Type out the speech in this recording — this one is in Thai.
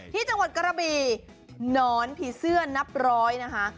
ที่จังหวัดกระบีหนอนผีเสื้อนับร้อยนะคะ